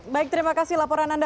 baik terima kasih laporan anda